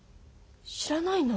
知らないの？